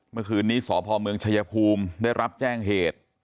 เมื่อคืนนี้สพเมืองชายภูมิได้รับแจ้งเหตุ